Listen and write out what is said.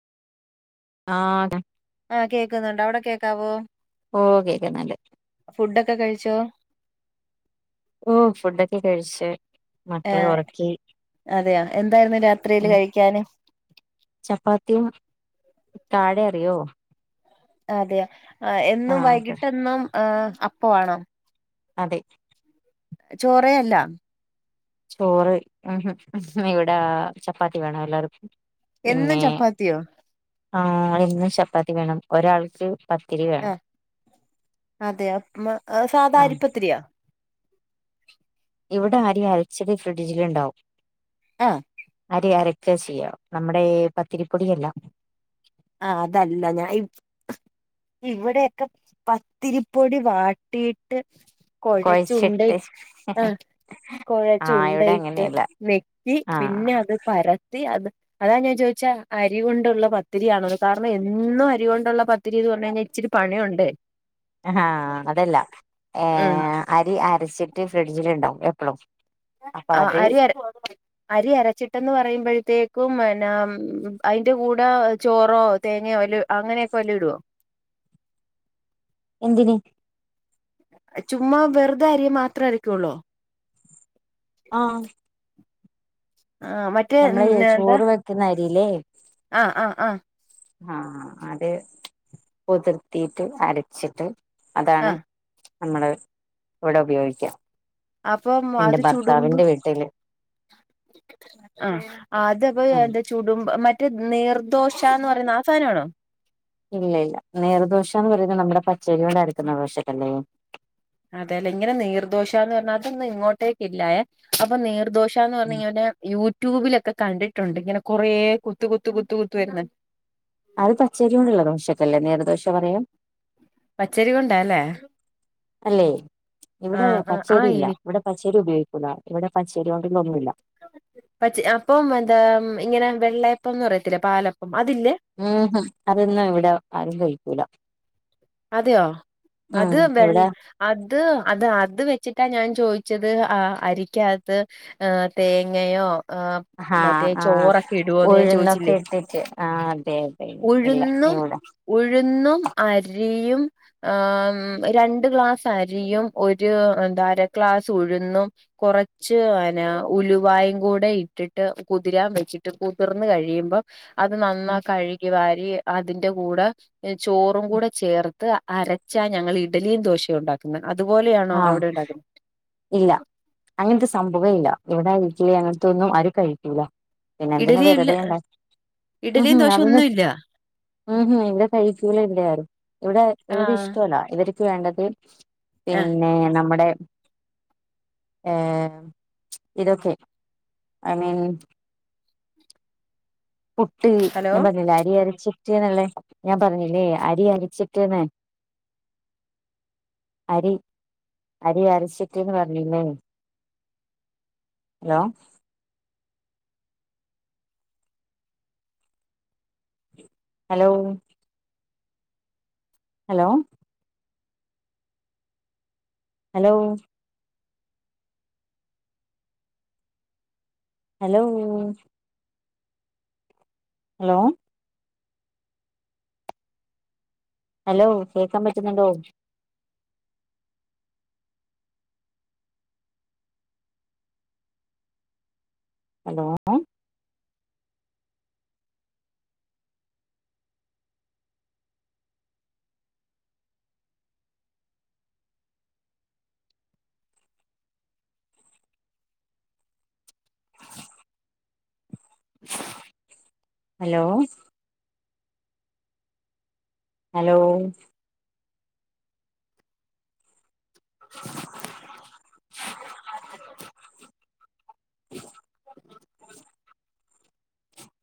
ആഹ ആഹ് കേക്കുന്നുണ്ട്. അവിടെ കേക്കാവോ? ഓ കേക്കുന്നുണ്ട്. ഫുഡൊക്കെ കഴിച്ചോ? ഓ ഫുഡൊക്കെ കഴിച്. ഏഹ് അതെയോ. എന്തായിരുന്നു രാത്രിയിൽ ഉം കഴിക്കാന്. ചപ്പാത്തിയും, കാഴ അറിയോ? അതെയ. എന്നും ആഹ് വൈകിട്ടെന്നും അപ്പം ആണോ? അതെ ചോറെ അല്ല. ചോറ്, ഇവിടെ ചപ്പാത്തി വേണം എല്ലാർക്കും. എന്നും പിന്നെ ചപ്പാത്തിയോ ആഹ ഇന്ന് ചപ്പാത്തി വേണം. ഒരാൾക്ക്, പത്തിരി വേണം ആഹ് അതെയൊ. സാധാ ആഹ് അരിപ്പത്തിരിയാ. ഇവിടെ അരി അരച്ചത് ഫ്രിഡ്ജിലുണ്ടാവും. ആഹ് ടെ അരക്കാ ചെയ്യാ. നമ്മുടെ പത്തിരിപ്പൊടിയല്ല. ആഹ് അതല്ല ഞാൻ ഈ ഇവിടെയൊക്കെ പത്തിരിപ്പൊടി വാട്ടിയിട്ട് കൊഴച്ച് ഉണ്ട കുഴച്ചിട്ട് ആ കൊഴച്ച് ആഹ് ഇവിടെ ഉണ്ടയിട്ട് അങ്ങനെയല്ല മേ ക്കി പിന്നെ ആഹ് അത് പരത്തി. അത് അതാ ഞാൻ ചോദിച്ച അരി കൊണ്ടുള്ള പ ത്തിരിയാണോന്ന്. കാരണം എന്നും അരി കൊണ്ടുള്ള പത്തിരിന്ന് പറഞ്ഞ് കഴിഞ്ഞാൽ ഇച്ചിരി പണിയുണ്ടേ. ങ്‌ഹ അതല്ല. ഉം ഏഹ് അരി അരച്ചിട്ട് ഫ്രിഡ്ജിൽ ഉണ്ടാവും എപ്പോളും. ആ അരി അര അരി അരച്ചിട്ടന്ന് പറയുമ്പോഴത്തേക്കും, പിന്നെ ഉം അതിന്റെ കൂടെ ചോറോ തേങ്ങയോ അതിൽ അങ്ങനെക്കെ വല്ലിടുവോ? എന്തിന്? ചുമ്മാ വെറുതെ അരി മാത്രം അരക്കോളൊ? [inaudible] ആഹ് മറ്റേ എന്നതാ ക്കുന്ന അരില്ലേ. ആഹ് ആഹ് ആഹ. ആഹ് അത് കുതിർത്തിയിട്ട് അരച്ചിട്ട് ആ അതാണ്. നമ്മള് ഇവിടെ ഉപയോഗിക്ക. അപ്പൊ അത് ചുടുമ്പോ, വീട്ടില് ആഹ് അത്പ്പൊ ഉം എന്താ ചുടുമ്പോ മറ്റേ നീർദോശ എന്ന് പറയുന്ന ആ സാധനാണോ? ഇല്ല ഇല്ല. നീർദോശ എന്ന് പറയുന്നത് നമ്മുടെ പച്ചേരി കൊണ്ട് അരക്കുന്ന ദോശക്കല്ലേ. അതേല്ലേ. ഇങ്ങനെ നീർദോശ എന്ന് പറഞ്ഞാൽ അതൊന്നും ഇങ്ങോട്ടേക്ക് ഇല്ലായേ. അപ്പോ നീർദോശ ശാന്ന് പറഞ്ഞങ്ങല് യൂട്യൂബിലൊക്കെ കണ്ടിട്ടുണ്ട്, ഇങ്ങനെ കൊറേ കുത്ത് കുത്ത് കുത്ത് കുത്ത് വരുന്നെ. അത് പച്ചരി കൊണ്ടുള്ള ദോശക്കെല്ലേ നീർദോശ പറയാ. പച്ചരി കൊണ്ടാല്ലേ? അല്ലെ, ഇവിടെ ആഹ് ആഹ് ആഹ് പച്ചേരിയില്ല എനി ഇവിടെ പച്ചേരി ഉപയോഗിക്കൂല ഇവിടെ പച്ചേരി കൊണ്ടൊന്നുമില്ല. പച്ച അപ്പം എന്താ ഇങ്ങനെ വെള്ളയപ്പംന്ന് പറയത്തില്ലേ, പാലപ്പം അതില്ലേ. മ്ഹ്, അതൊന്നും ഇവിടെ ആരും കഴിക്കൂല. അതെയോ അത് ഉം വെ ഇവിടെ അത് അത് അത് വെച്ചിട്ടാ ഞാൻ ചോയിച്ചത് ആ അരിക്കാകത്ത്. ഏഹ് തേങ്ങയോ ആഹ് മറ്റേ ആഹ് ആഹ് ചോറൊക്കെ ഇടുവോന്ന് ഞാൻ ചോദിച്ചില്ലേ ഉഴുന്നൊക്കെ ഇട്ടിട്ട് ആ അതെ അതെ ഇല്ല ഉഴുന്നും ഇവിടെ. ഉഴുന്നും അരിയും. രണ്ട് ഗ്ലാസ് അരിയും ഒരു അര ഗ്ലാസ് ഉഴുന്നും. കുറച്ച് പിന്നെ ഉലുവായും കൂടെ ഇട്ടിട്ട് കുതിരാൻ വെച്ചിട്ട്. കുതിർന്ന് കഴിയുമ്പം. അത് നന്നാ കഴുകി വാരി അതിന്റെ കൂടെ ചോറും കൂടെ ചേർത്ത് അരച്ചാ ഞങ്ങൾ ഇഡ്ഡലിയും ദോശയും ഉണ്ടാക്കുന്നത്. അതുപോലെയാണോ ആഹ് അവിടെ ഉണ്ടാക്കുന്നത്. ഇല്ല അങ്ങനത്തെ സംഭവേ ഇല്ല ഇവിടെ ഇഡ്ഡലി അങ്ങനത്തെ ഒന്നും ആരും കഴിക്കൂല. പിന്നെ എന്തിന ഇഡലി ഇല്ല വെറുതെ ഉണ്ടാ ഇഡലിയും ദോശ അത് ഒന്നും ഇല്ല ഉം ഹ് ഇവിടെ കഴിക്കൂല ഇവിടെ ആരുംഇവിടെ ഇവിടെ ആഹ് ഇഷ്ടല്ല. ഇവർക്ക് വേണ്ടത്. ആഹ് പിന്നെ നമ്മുടെ ഏഹ് ഇതൊക്കെ ഐ മീൻ പുട്ട് ഹലോ ഞാൻ പറഞ്ഞില്ലേ അരി അരച്ചിട്ടന്നുള്ളേ ഞാൻ പറഞ്ഞില്ലേ അരി അരച്ചിട്ട് ന്ന്. അരി അരി അരച്ചിട്ട്ന്ന് പറഞ്ഞില്ലേ. ലോ? Hello? Hello? Hello? Hello? Hello? Hello കേക്കാൻ പറ്റുന്നുണ്ടോ? അലോ? ഹലോ? ഹലോ? [inaudible] [inaudible]